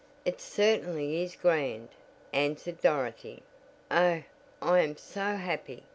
"It certainly is grand," answered Dorothy. "Oh, I am so happy!"